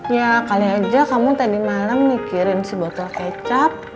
ya kali aja kamu tadi malam mikirin sebotol kecap